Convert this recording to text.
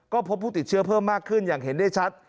ก็พบผู้ติดเชื้อเพิ่มมากขึ้นอย่างเห็นได้ชัด